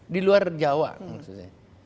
di luar jawa maksud saya